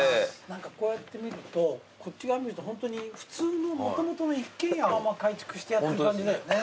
何かこうやって見るとこっち側見るとホントに普通のもともとの一軒家を改築してやった感じだよね。